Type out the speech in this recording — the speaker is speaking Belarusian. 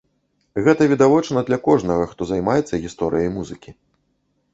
Гэта відавочна для кожнага, хто займаецца гісторыяй музыкі.